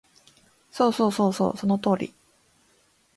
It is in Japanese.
そうそうそうそう、その通り